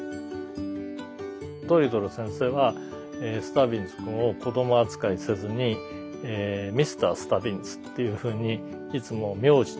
ドリトル先生はスタビンズ君を子ども扱いせずに「ミスタースタビンズ」というふうにいつも名字で呼んでくれるんです。